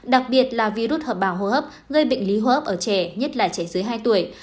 đặc biệt là virus hợp bào hô hấp gây bệnh lý hô hấp ở trẻ nhất là trẻ dưới hai tuổi